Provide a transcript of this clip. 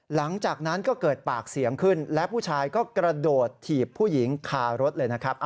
หลังจากนั้นก็เกิดปากเสียงขึ้นและผู้ชายก็กระโดดถีบผู้หญิงคารถเลยนะครับ